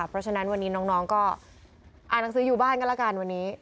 เพราะฉะนั้นวันนี้น้องก็อ่านหนังสืออยู่บ้านกันแล้วกันวันนี้